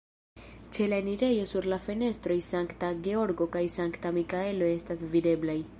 Ĉe la enirejo sur la fenestroj Sankta Georgo kaj Sankta Mikaelo estas videblaj.